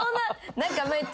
何かめっちゃ。